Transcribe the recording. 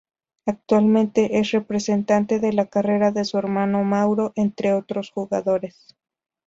Actualmente es representante de la carrera de su hermano Mauro, entre otros jugadores.